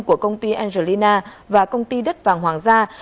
của công ty angelina và công ty đất vàng hoàng gia